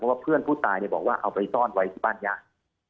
ว่าเพื่อนผู้ตายบอกว่าเอาไปซ่อนไว้ที่บ้านญาติ